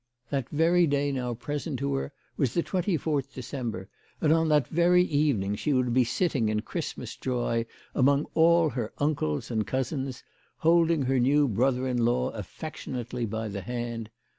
That very day now present to her was the 24th December, and on that very evening she would be sitting in Christmas joy among all her uncles and cousins, holding her new brother in law affectionately by the hand.